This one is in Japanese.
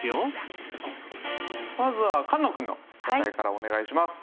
まずは菅野くんの答えからお願いします。